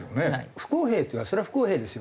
不公平っていえばそれは不公平ですよ。